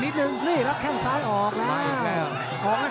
ติดตามยังน้อยกว่า